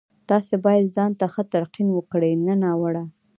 تاسې بايد ځان ته ښه تلقين وکړئ نه ناوړه.